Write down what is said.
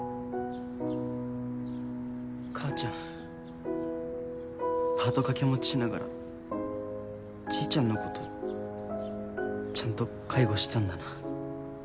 母ちゃんパート掛け持ちしながらじいちゃんのことちゃんと介護してたんだな。